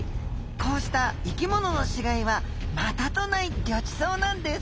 こうした生きものの死骸はまたとないぎょちそうなんです。